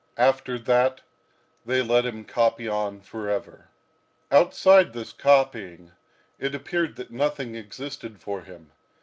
After that they let him copy on forever. Outside this copying, it appeared that nothing existed for him.